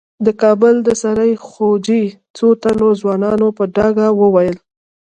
د کابل د سرای خوجې څو تنو ځوانانو په ډاګه وويل.